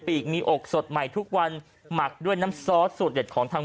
กมีอกสดใหม่ทุกวันหมักด้วยน้ำซอสสูตรเด็ดของทาง